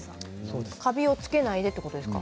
カビをつけないでということですか。